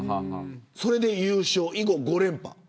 それで優勝、以後５連覇。